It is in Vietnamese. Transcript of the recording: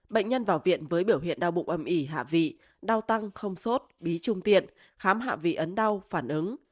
bệnh nhân vào viện với biểu hiện đau bụng âm ỉ hạ vị đau tăng không sốt bí trung tiện khám hạ vị ấn đau phản ứng